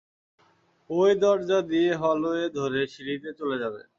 ঐ দরজা দিয়ে হলওয়ে ধরে সিঁড়িতে চলে যাবে।